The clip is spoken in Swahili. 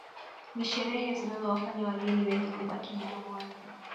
Ni sherehe zinazowafanya wageni wengi kubaki midomo wazi